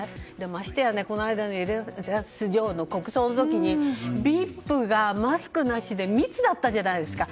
ましてや、この間のエリザベス女王の国葬の時にＶＩＰがマスクなしで密だったじゃないですか。